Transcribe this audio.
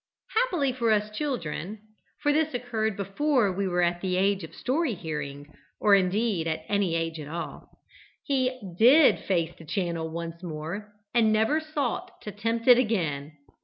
Happily for us children, (for this occurred before we were at the age of story hearing, or indeed at any age at all,) he did face the channel once more, and never sought to tempt it again.